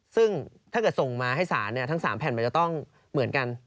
ซึ่งถ้าเกิดส่งมาให้ศาลทั้ง๓แผ่นมันจะต้องเหมือนกัน